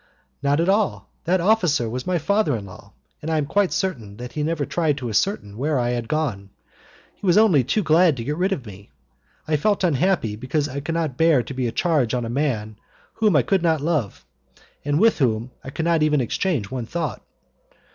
"Not at all; that officer was my father in law, and I am quite certain that he never tried to ascertain where I had gone. He was only too glad to get rid of me. I felt unhappy because I could not bear to be a charge on a man whom I could not love, and with whom I could not even exchange one thought.